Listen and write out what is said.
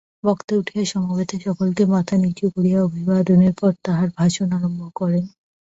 বক্তা উঠিয়া সমবেত সকলকে মাথা নীচু করিয়া অভিবাদনের পর তাঁহার ভাষণ আরম্ভ করেন।